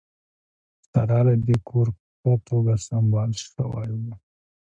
سره له دې کور په ښه توګه سمبال شوی و